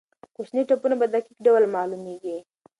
کوچني ټپونه په دقیق ډول معلومېږي.